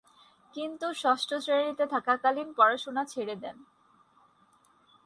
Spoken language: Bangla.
কিন্তু ষষ্ঠ শ্রেণিতে থাকাকালীন পড়াশোনা ছেড়ে দেন।